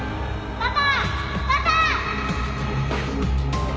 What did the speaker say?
パパ！